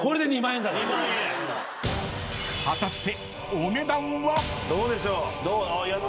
［果たして］